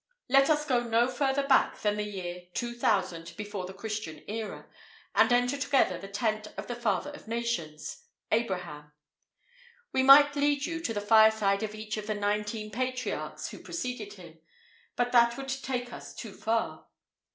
Let us go no further back than the year 2000 before the Christian era, and enter together the tent of the father of nations Abraham. We might lead you to the fire side of each of the nineteen patriarchs who preceded him, but that would take us too far.